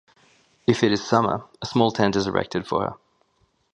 If it is summer, a small tent is erected for her.